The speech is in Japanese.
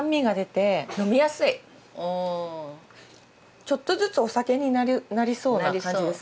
ちょっとずつお酒になりそうな感じです。